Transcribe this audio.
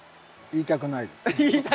「言いたくないです」。